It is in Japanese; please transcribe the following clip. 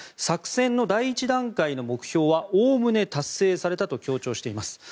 作戦の第１段階の目標はおおむね達成されたと強調しています。